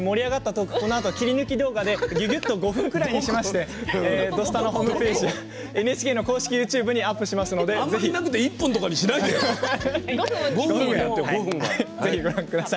このあと切り抜き動画でぎゅぎゅっと５分くらいに凝縮して「土スタ」のホームページやＮＨＫの公式ＹｏｕＴｕｂｅにアップしますのでご覧ください。